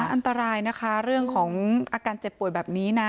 อันตรายนะคะเรื่องของอาการเจ็บป่วยแบบนี้นะ